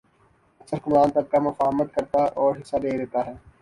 اکثر حکمران طبقہ مفاہمت کرتا اور حصہ دے دیتا ہے۔